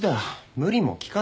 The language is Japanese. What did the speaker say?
無理も利かない。